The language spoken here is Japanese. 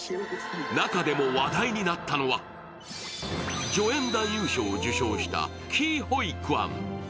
中でも話題になったのは助演男優賞を受賞したキー・ホイ・クァン。